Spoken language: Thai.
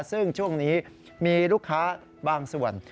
ซึ่งช่วงนี้มีลูกค้าบางส่วน